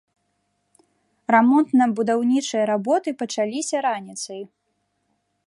Рамонтна-будаўнічыя работы пачаліся раніцай.